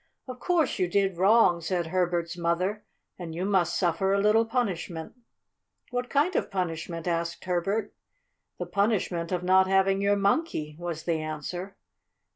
"Of course you did wrong," said Herbert's mother, "and you must suffer a little punishment." "What kind of punishment?" asked Herbert. "The punishment of not having your Monkey," was the answer.